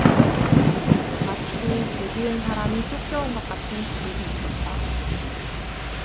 마치 죄지은 사람이 쫓겨 온 것 같은 기색이 있었다.